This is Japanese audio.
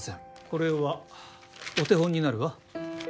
これはお手本になるわ。